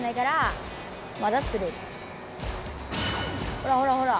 ほらほらほら。